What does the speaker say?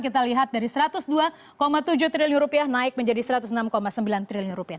kita lihat dari satu ratus dua tujuh triliun rupiah naik menjadi satu ratus enam sembilan triliun rupiah